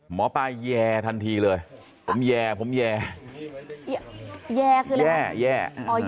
หมอปลาแย่ทันทีเลยผมแย่แย่แย่แย่อ๋อแย่